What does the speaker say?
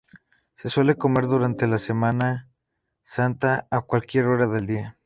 Se suele comer durante la Semana Santa a cualquier hora del día.